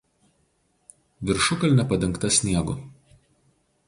Viršukalnė padengta sniegu.